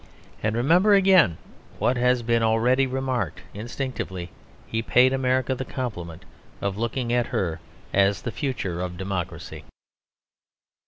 And remember again what has been already remarked instinctively he paid America the compliment of looking at her as the future of democracy.